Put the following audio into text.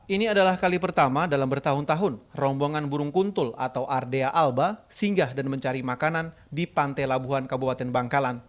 ini adalah kali pertama dalam bertahun tahun rombongan burung kuntul atau ardea alba singgah dan mencari makanan di pantai labuhan kabupaten bangkalan